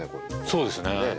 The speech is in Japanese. そうですねねえ